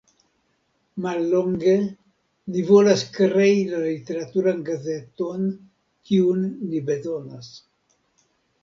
Mallonge: ni volas krei la literaturan gazeton, kiun ni bezonas.